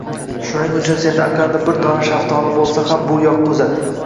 Shuning uchun senda aqalli bir dona shaftoli bo`lsa ham bu yoqqa uzat